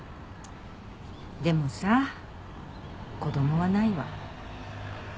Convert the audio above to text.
でもさ子供はないわ。